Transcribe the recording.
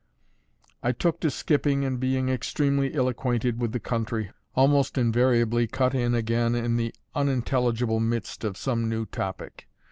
I took to skipping, and being extremely ill acquainted with the country, almost invariably cut in again in the unintelligible midst of some new topic.